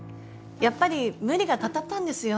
やっぱり無理がたたったんですよ。